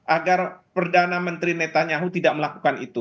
agar perdana menteri netanyahu tidak melakukan itu